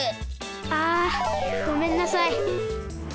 あごめんなさい。